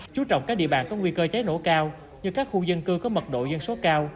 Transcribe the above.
chú trọng các địa bàn có nguy cơ cháy nổ cao như các khu dân cư có mật độ dân số cao